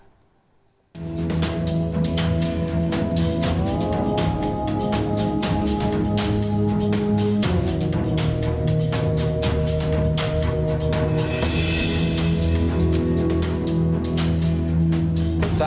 jalan tol trans sumatra